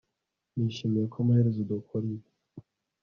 nishimiye ko amaherezo dukora ibi